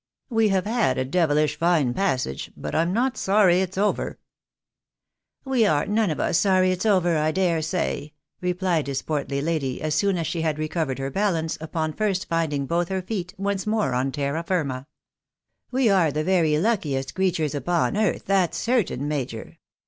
" We have had a devilish fine pas sage ; but I am not sorry it's over." ARRIVAL AT NEW ORLEANS. 33 " We are none of us sorry it's over, I dare say," replied hia portly lady, as soon as she had recovered her balance upon first finding both her feet once more on terra Jirma. " We are the very luckiest creatures upon God's earth, that's certain, major.